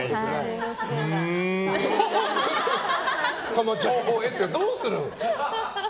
その情報を得てどうするん？